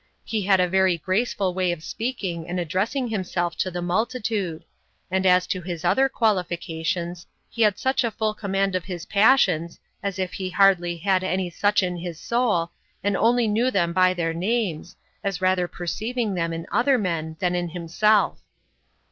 He had a very graceful way of speaking and addressing himself to the multitude; and as to his other qualifications, he had such a full command of his passions, as if he hardly had any such in his soul, and only knew them by their names, as rather perceiving them in other men than in himself.